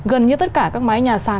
gần như tất cả các mái nhà sàn